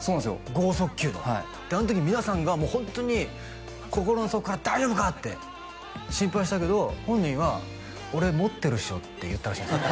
剛速球のであの時皆さんがホントに心の底から大丈夫かって心配したけど本人は「俺持ってるっしょ」って言ったらしいですね